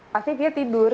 pasti fia tidur